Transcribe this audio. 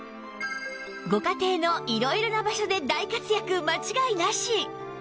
ご家庭の色々な場所で大活躍間違いなし！